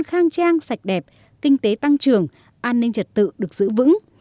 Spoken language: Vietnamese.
trang trang sạch đẹp kinh tế tăng trường an ninh trật tự được giữ vững